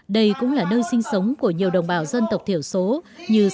đây cũng là nơi sinh sống của nhiều đồng bào dân tộc thiểu số như sán chỉ mông giao